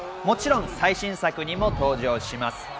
もちろん最新作にも登場します。